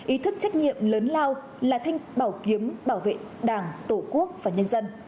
ý thức trách nhiệm lớn lao là thanh bảo kiếm bảo vệ đảng tổ quốc và nhân dân